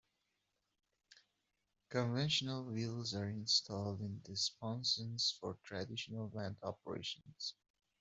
Conventional wheels are installed in the sponsons for traditional land operations.